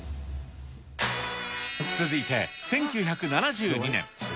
続いて１９７２年。